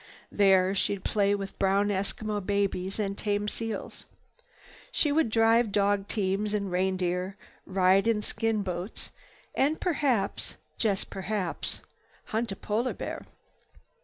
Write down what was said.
There she'd play with brown Eskimo babies and tame seals. She would drive dog teams and reindeer, ride in skin boats and perhaps—just perhaps—hunt polar bear.